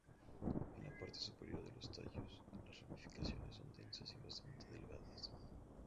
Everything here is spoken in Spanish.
En la parte superior de los tallos, las ramificaciones son densas y bastante delgadas.